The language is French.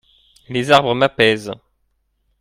Les arbres m’apaisent.